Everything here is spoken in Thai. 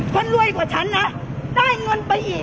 คนรวยกว่าฉันนะได้เงินไปอีก